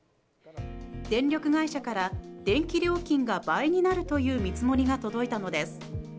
電力会社から電気料金が倍になるという見積もりが届いたのです。